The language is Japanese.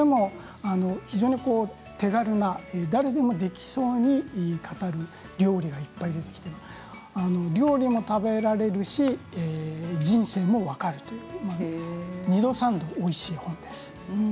非常に手軽な誰でもできそうに語る料理がいっぱい出てきて料理も食べられるし人生も分かるという２度３度おいしい絵本です。